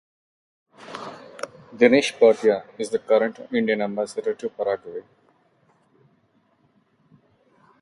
Dinesh Bhatia is the current Indian Ambassador to Paraguay.